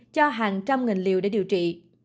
cho hàng trăm nghìn liều để điều trị